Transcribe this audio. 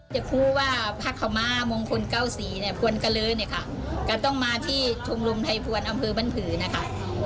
จะพูดว่าภาคธรรมะมงคล๙๔ภวนกะเลอเนี่ยค่ะก็ต้องมาที่ทรงรมไทยภวนอำเภอบ้านผือนะคะ